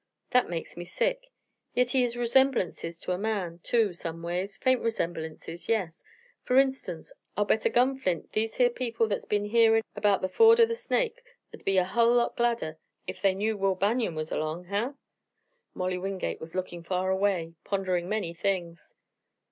That makes me sick. Yit he has resemblances ter a man, too, some ways faint resemblances, yes. Fer instance, I'll bet a gun flint these here people that's been hearin' erbout the ford o' the Snake'd be a hull lot gladder ef they knew Will Banion was erlong. Huh?" Molly Wingate was looking far away, pondering many things.